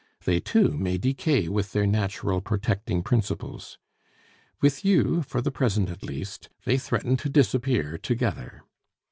They too may decay with their natural protecting principles. With you, for the present at least, they threaten to disappear together.